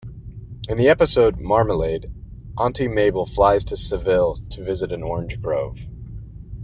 In the episode "Marmalade" Auntie Mabel flies to Seville to visit an orange grove.